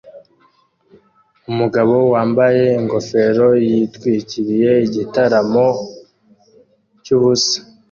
Umugabo wambaye ingofero yitwikiriye igitaramo cyubusa